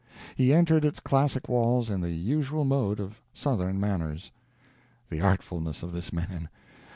He entered its classic walls in the usual mode of southern manners. The artfulness of this man!